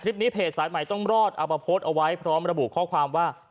คลิปนี้เพจสายใหม่ต้องรอดเอาประโพสเอาไว้พร้อมระบุข้อความว่า